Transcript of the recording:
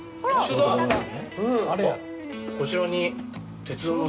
こちらに。